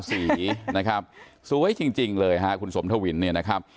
สีนะครับสวยจริงเลยฮะคุณสมทวินเนี่ยนะครับ